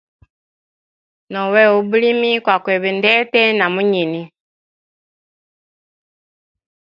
No wena ubulimi kwa kweba ndete na munyini.